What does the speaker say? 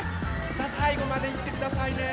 さあさいごまでいってくださいね。